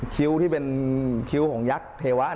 คิ้วที่เป็นคิ้วของยักษ์เทวะ